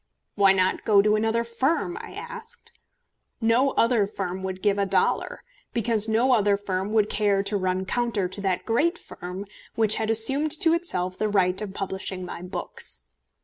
"Why not go to another firm?" I asked. No other firm would give a dollar, because no other firm would care to run counter to that great firm which had assumed to itself the right of publishing my books.